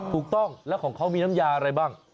ถูกต้องแล้วของเขามีน้ำยาอะไรบ้าง